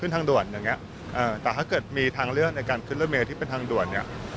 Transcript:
แต่ถ้าเกิดมีทางเลือกในการขึ้นรถเมลที่เป็นทางด่วน